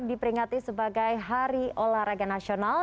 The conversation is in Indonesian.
diperingati sebagai hari olahraga nasional